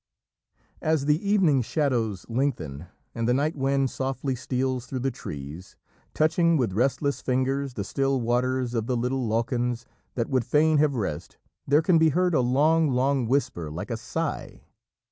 As the evening shadows lengthen, and the night wind softly steals through the trees, touching with restless fingers the still waters of the little lochans that would fain have rest, there can be heard a long, long whisper, like a sigh.